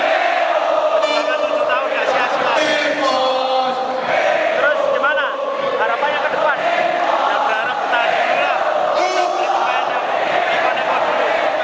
kita berharap pertandingan kita menangis kemenangan persebaya